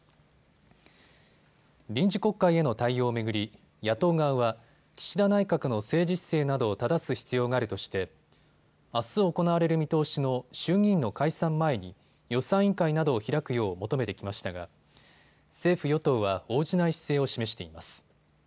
臨時国会への対応を巡り野党側は岸田内閣の政治姿勢などをただす必要があるとしてあす行われる見通しの衆議院の解散前に予算委員会などを開くよう求めてきましたが政府与党は応じない姿勢を示しています。